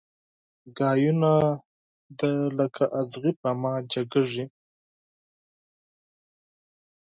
خبري دي لکه اغزي په چا جګېږي